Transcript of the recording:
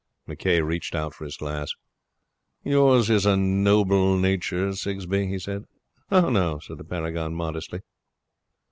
McCay reached out for his glass. 'Yours is a noble nature, Sigsbee,' he said. 'Oh, no,' said the paragon modestly.